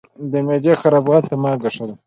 د معدې خرابوالي ته مالګه ښه ده.